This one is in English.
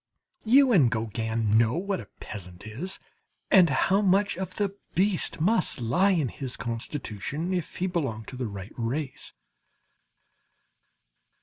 You and Gauguin know what a peasant is, and how much of the beast must lie in his constitution if he belong to the right race.